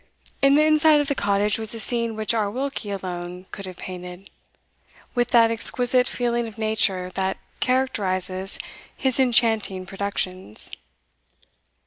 In the inside of the cottage was a scene which our Wilkie alone could have painted, with that exquisite feeling of nature that characterises his enchanting productions.